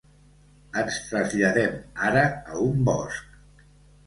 Ens traslladem ara a un bosc.